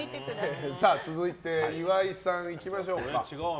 続いて、岩井さんいきましょうか。